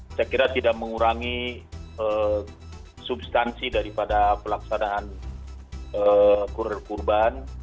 saya kira tidak mengurangi substansi daripada pelaksanaan kurir kurban